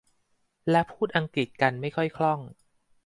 และพูดอังกฤษกันไม่ค่อยคล่อง